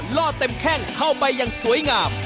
ล่อเต็มแข้งเข้าไปอย่างสวยงาม